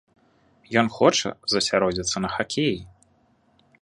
Ён хоча засяродзіцца на хакеі.